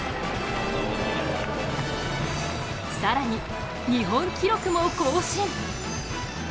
更に日本記録も更新。